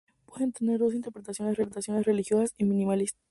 Pueden tener dos interpretaciones, religiosas y minimalista.